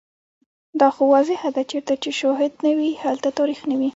دا خو واضحه ده چیرته چې شوهد نه وي، هلته تاریخ نه وي